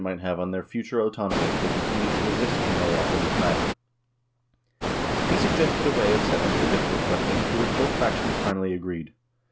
OLAV TRYGGVASON 193 have on their future autonomy if they continued to resist King Olav in this matter. He suggested a way of settling the difficult ques tion, to which both factions finally agreed.